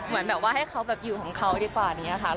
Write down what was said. เหมือนแบบว่าให้เขาอยู่ของเขาดีกว่า